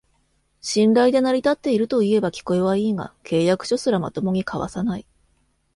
信頼で成り立ってるといえば聞こえはいいが、契約書すらまともに交わさない